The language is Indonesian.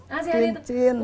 kasih hadiah terus